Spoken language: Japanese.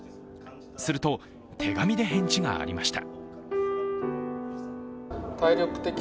すると、手紙で返事がありました。